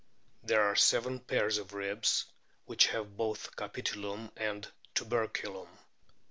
There are seven pairs of ribs which have both capitulum and tuberculum.